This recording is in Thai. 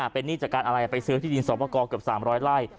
เป็นหนี้จากการอะไรไปซื้อที่ดินสอบประกอบเกือบ๓๐๐ไร่